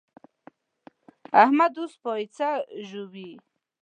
احمد اوس پياڅه ژووي.